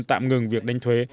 tạm ngừng việc đánh thuế